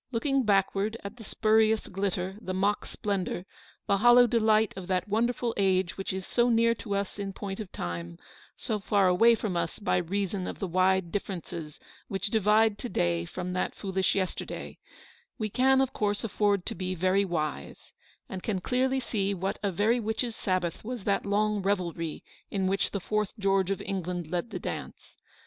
Looking backward at the spurious glitter, the mock splendour, the hollow delight of that wonderful age which is so near us in point of time, so far away from us by reason of the wide differences which divide to day from that foolish yesterday, we can of course afford to be THE STORY OF THE PAST. 41 very wise, and can clearly see what a very witches' sabbath was that long revelry in which the fourth George of England led the dance.